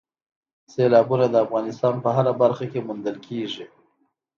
سیلابونه د افغانستان په هره برخه کې موندل کېږي.